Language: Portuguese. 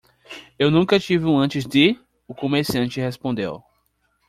"Eu nunca tive um antes de?" o comerciante respondeu.